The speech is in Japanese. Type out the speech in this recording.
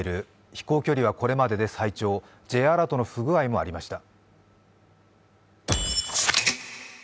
飛行距離はこれまでで最長、Ｊアラートの不具合もありました。